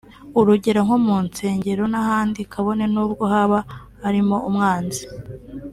urugero nko mu nsengero n’ahandi kabone n’ubwo haba harimo umwanzi